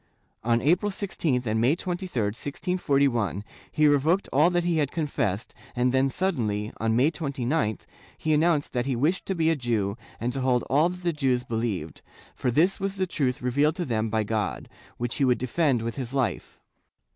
On April 16th and May 23, 1641, he revoked all that he had con fessed and then suddenly, on May 29th, he announced that he wished to be a Jew and to hold all that the Jews believed, for this was the truth revealed, to them by God, which he would defend with his life.